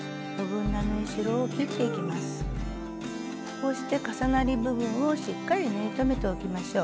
こうして重なり部分をしっかり縫い留めておきましょう。